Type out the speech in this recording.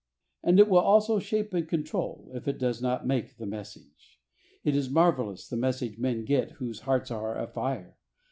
And it will also shape and control, if it does not make the message. It is marvellous the message men get whose hearts are afire.